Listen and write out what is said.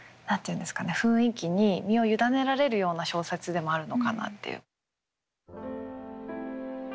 雰囲気に身を委ねられるような小説でもあるのかなっていう。